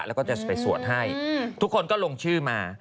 แล้วก็จะไปสวดให้ทุกคนก็ลงชื่อมา